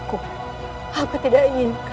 aku berjanji padaku kamu tidak akan menyentuhku